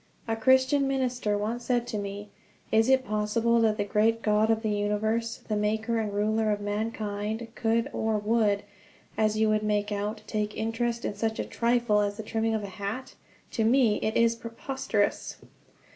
A Christian minister once said to me: "Is it possible that the great God of the universe, the Maker and Ruler of mankind, could or would, as you would make out, take interest in such a trifle as the trimming of a hat! To me it is preposterous!"